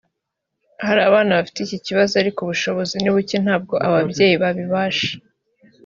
Hari abana bafite iki kibazo ariko ubushobozi ni buke ntabwo ababyeyi babibasha